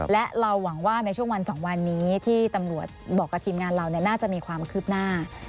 และเราหวังว่าในช่วงวัน๒วันนี้ที่ตำรวจบอกกับทีมงานเราน่าจะมีความคืบหน้า